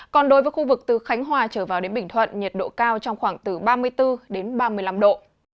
còn đối với khu vực từ khánh hòa trở vào đến bình thuận nhiệt độ cao trong khoảng từ ba mươi bốn đến ba mươi năm độ